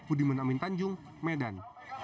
udiman amin tanjung medan